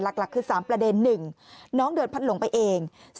หลักคือ๓ประเด็น๑น้องเดินพัดหลงไปเอง